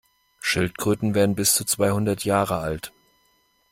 Schildkröten werden bis zu zweihundert Jahre alt.